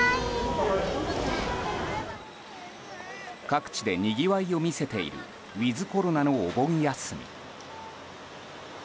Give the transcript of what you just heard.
各地でにぎわいを見せているウィズコロナのお盆休み。